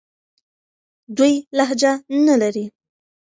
دوی لهجه نه لري.